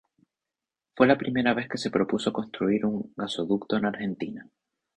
Fue la primera vez que se propuso construir un gasoducto en Argentina.